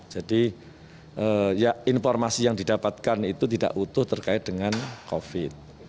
jadi ya informasi yang didapatkan itu tidak utuh terkait dengan covid